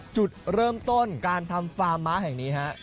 จุดเริ่มต้นการทำฟาร์มม้าแห่งนี้ฮะ